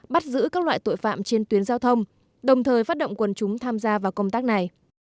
bắt giữ các loại tội phạm trên tuyến giao thông đồng thời phát động quần chúng tham gia vào công tác này